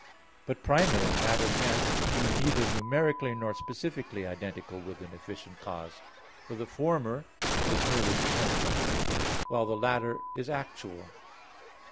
But primary matter can be neither numerically nor specifically identical with an efficient cause; for the former is merely potential, while the latter is actual.